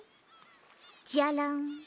ジャラン。